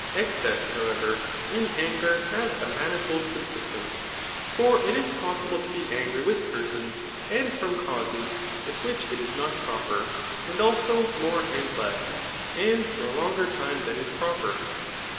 Excess^ however, in anger has a manifold subsistence. For it k^ possible to be angry with persons and from causes witb* which it k not proper^ and also more and less, and for 9^ longer time than is proper.